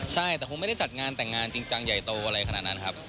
ใช่แต่คงไม่ได้จัดงานแต่งงานจริงจังใหญ่โตอะไรขนาดนั้นครับ